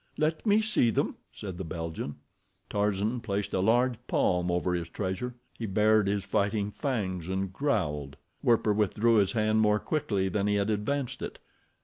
"Let me see them," said the Belgian. Tarzan placed a large palm over his treasure. He bared his fighting fangs, and growled. Werper withdrew his hand more quickly than he had advanced it.